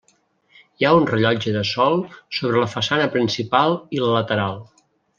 Hi ha un rellotge de sol sobre la façana principal i la lateral.